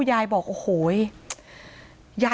ยายบอกโอ้โห